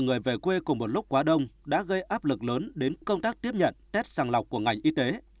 người về quê cùng một lúc quá đông đã gây áp lực lớn đến công tác tiếp nhận test sàng lọc của ngành y tế